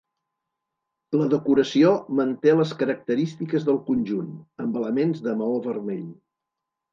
La decoració manté les característiques del conjunt, amb elements de maó vermell.